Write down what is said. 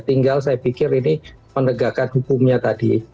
tinggal saya pikir ini penegakan hukumnya tadi